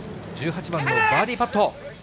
１８番のバーディーパット。